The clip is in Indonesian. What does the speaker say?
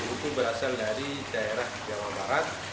itu berasal dari daerah jawa barat